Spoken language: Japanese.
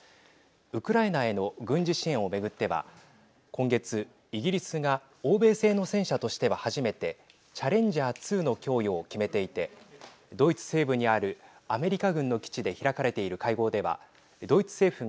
ウクライナへの軍事支援を巡っては今月イギリスが欧米製の戦車としては初めてチャレンジャー２の供与を決めていてドイツ西部にあるアメリカ軍の基地で開かれている会合ではドイツ政府が